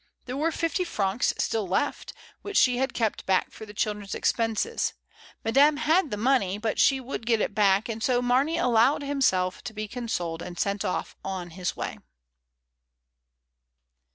There were fifty francs still left, which she had kept back for the children's expenses. Madame had the money, but she would get it back, and so Marney allowed himself to be consoled and sent off on his way.